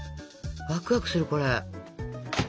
ワクワクするこれ。